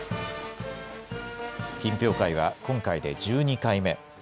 品評会は今回で１２回目。